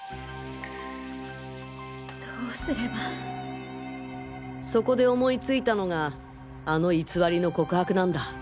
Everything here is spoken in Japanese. どうすればそこで思い付いたのがあの偽りの告白なんだ。